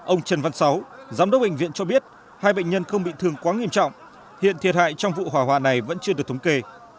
ông trần văn sáu giám đốc bệnh viện cho biết hai bệnh nhân không bị thương quá nghiêm trọng hiện thiệt hại trong vụ hỏa hoạn này vẫn chưa được thống kê